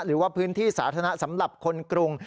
หรือว่าพื้นที่สาธารณะสำหรับคนกรุง